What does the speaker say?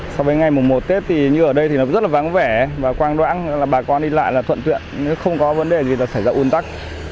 so với ngày mùa một tết thì như ở đây thì rất là vắng vẻ và quang đoãn là bà con đi lại là thuận tiện không có vấn đề gì là xảy ra uôn tắc